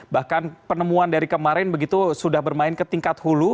bahkan penemuan dari kemarin begitu sudah bermain ke tingkat hulu